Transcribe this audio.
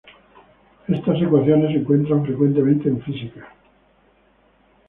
Estas ecuaciones se encuentran frecuentemente en Física.